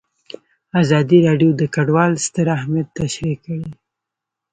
ازادي راډیو د کډوال ستر اهميت تشریح کړی.